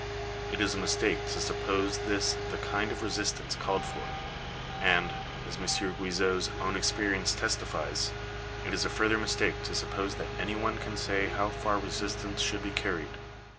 It is a mistake to suppose this the kind of resistance called for ; and, as M. Guijot's own experience testifies, it is a further mistake to suppose that any one can say how far resistance should be carried.